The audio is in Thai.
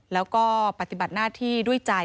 แล้วก็ปฏิบัติหน้าที่ด้วยใจ